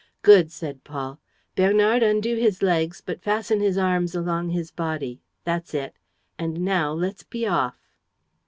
"Good," said Paul. "Bernard, undo his legs, but fasten his arms along his body. ... That's it. ... And now let's be off."